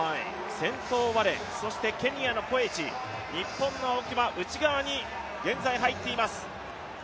先頭ワレ、そしてケニアのコエチ日本の青木は内側に現在入っています。